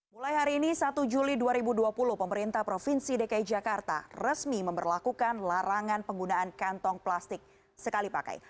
mulai hari ini satu juli dua ribu dua puluh pemerintah provinsi dki jakarta resmi memperlakukan larangan penggunaan kantong plastik sekali pakai